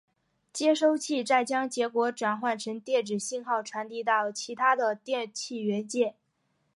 接收器再将结果转换成电子信号传递到其它的电气元件。